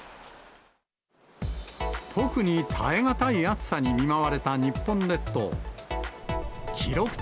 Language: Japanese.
特に耐え難い暑さに見舞われた日本列島。